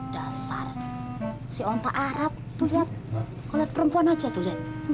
dasar si onta arab lihat lihat perempuan aja tuh